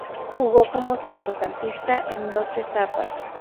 Jugó como centrocampista en dos etapas.